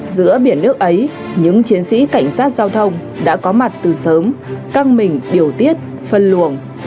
giữa biển nước ấy những chiến sĩ cảnh sát giao thông đã có mặt từ sớm căng mình điều tiết phân luồng